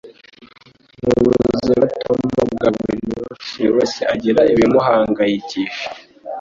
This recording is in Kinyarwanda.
M'ubuzima tubamo bwa buri munsi, buri wese agira ibimuhangayikisha.